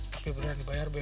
tapi berani bayar be